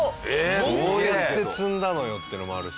どうやって積んだのよってのもあるし。